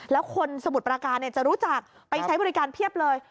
แล้วคนสมุทรปราการจะรู้จักไปใช้บริการเพียบเลย